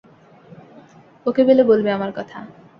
ওকে পেলে বলবে আমার কথা।